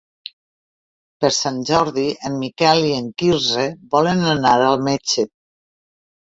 Per Sant Jordi en Miquel i en Quirze volen anar al metge.